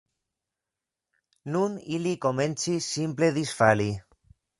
Nun ili komencis simple disfali.